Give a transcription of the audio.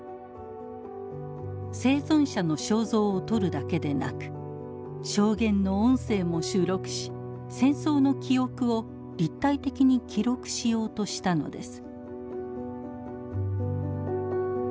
生存者の肖像を撮るだけでなく証言の音声も収録し戦争の記憶を立体的に記録しようとしたのです。